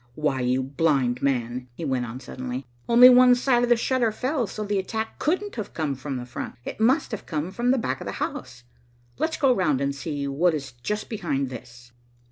Why, you blind man," he went on suddenly, "only one side of the shutter fell, so the attack couldn't have come from the front. It must have come from the back of the house. Let's go round and see what is just behind this."